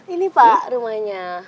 ini pak rumahnya